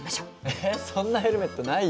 えそんなヘルメットないよ。